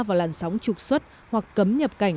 vào làn sóng trục xuất hoặc cấm nhập cảnh